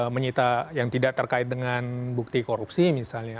menyita yang tidak terkait dengan bukti korupsi misalnya